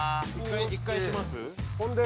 １回します？